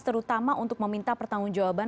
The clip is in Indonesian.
terutama untuk meminta pertanggung jawaban